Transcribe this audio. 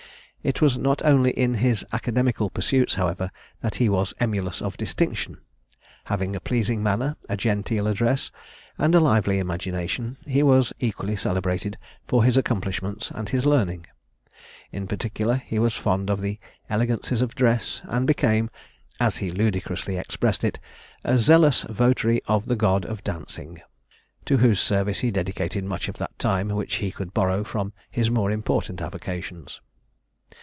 It was not only in his academical pursuits, however, that he was emulous of distinction. Having a pleasing manner, a genteel address, and a lively imagination, he was equally celebrated for his accomplishments and his learning. In particular he was fond of the elegances of dress, and became, as he ludicrously expressed it, "a zealous votary of [Illustration: Resurrectionists.] the god of Dancing," to whose service he dedicated much of that time which he could borrow from his more important avocations.